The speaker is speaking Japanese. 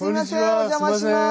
お邪魔します。